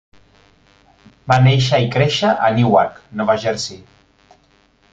Va néixer i créixer a Newark, Nova Jersey.